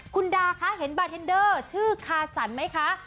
คุณดาคะเห็นบาร์เทนเดอร์ชื่อคาสันไหมคะ